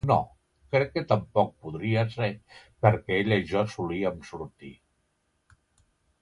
No, crec que tampoc podria ser perquè ella i jo solíem sortir.